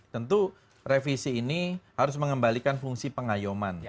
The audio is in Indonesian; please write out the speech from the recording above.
tentu revisi ini harus mengembalikan fungsi pengayoman